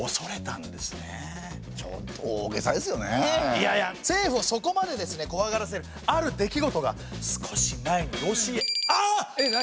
いやいや政府をそこまでこわがらせるある出来事が少し前にえっ何？